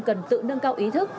cần tự nâng cao ý thức